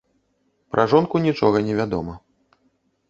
Пра жонку нічога не вядома.